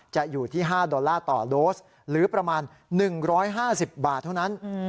อยู่ที่๕ดอลลาร์ต่อโดสหรือประมาณ๑๕๐บาทเท่านั้น